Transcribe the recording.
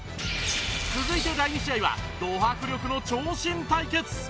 続いて第２試合はド迫力の長身対決！